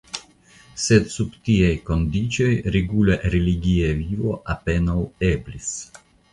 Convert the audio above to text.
Sed sub tiaj kondiĉoj regula religia vivo apenaŭ eblis.